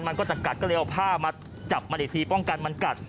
มันก็จะกัดก็เลยเอาผ้ามาจับมันอีกทีป้องกันมันกัด